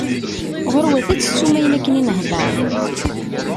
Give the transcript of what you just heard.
Ɣur-wat ad tettum ayen akken i nehder.